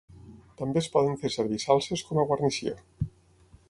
També es poden fer servir salses com a guarnició.